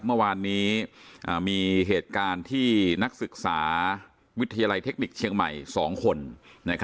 เมื่อวานนี้มีเหตุการณ์ที่นักศึกษาวิทยาลัยเทคนิคเชียงใหม่๒คน